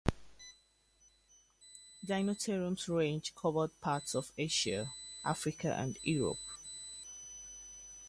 "Deinotherium's" range covered parts of Asia, Africa, and Europe.